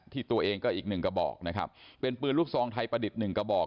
ที่ตัวเองก็อีกหนึ่งกระบอกนะครับเป็นปืนลูกซองไทยประดิษฐ์หนึ่งกระบอก